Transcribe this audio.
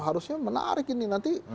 harusnya menarik ini nanti